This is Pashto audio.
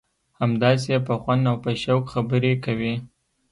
همداسې په خوند او په شوق خبرې کوي.